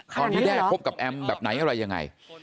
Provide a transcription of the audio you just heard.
แด้คบกับแอมแบบไหนอะไรยังไง